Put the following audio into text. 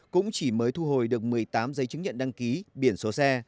cũng chỉ mới thu hồi được một mươi tám giấy chứng nhận đăng ký biển số xe